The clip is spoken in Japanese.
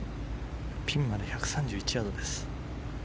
ピンまで１３１ヤードです。